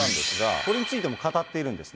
これについても語っているんですね。